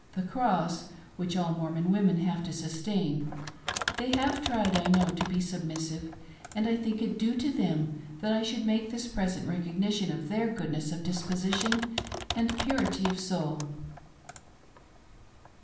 'the cross" which all Mormon women have to sustain, they have tried, I know, to be sub missive, and I think it due to them that I should make this present recognition of their goodness of disposition and purity of soul.